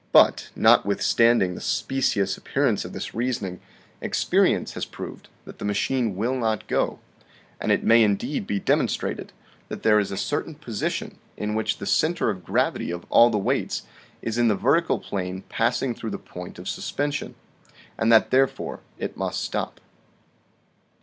But notwithstanding the specious appearance of this reasoning, experience has proved that the machine will not go; and it may indeed be demonstrated that there is a certain position in which the center of gravity of all these weights is in the vertical plane passing through the point of suspension, and that therefore it must stop."